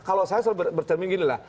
kalau saya bercermin gini lah